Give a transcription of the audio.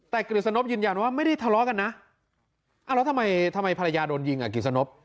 แต่กฤษณบยืนยันว่าไม่ได้ทะเลาะกันนะแล้วทำไมทำไมภรรยาโดนยิงอ่ะกิจสนบ